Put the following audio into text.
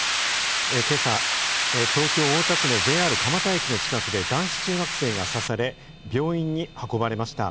今朝、東京・大田区のＪＲ蒲田駅の近くで男子中学生が刺され、病院に運ばれました。